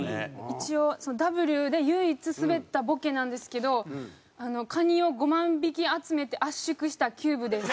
一応Ｗで唯一スベったボケなんですけどカニを５万匹集めて圧縮したキューブです。